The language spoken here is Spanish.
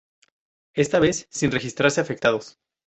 Esta vez sin registrarse afectados.